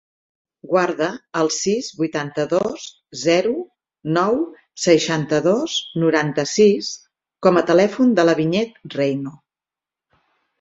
Guarda el sis, vuitanta-dos, zero, nou, seixanta-dos, noranta-sis com a telèfon de la Vinyet Reino.